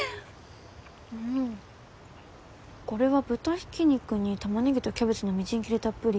んこれは豚ひき肉にタマネギとキャベツのみじん切りたっぷり